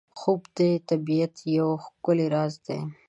خوب د طبیعت یو ښکلی راز دی